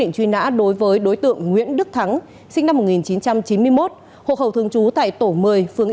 truy nã đối với đối tượng nguyễn đức thắng sinh năm một nghìn chín trăm chín mươi một hộ khẩu thường trú tại tổ một mươi phương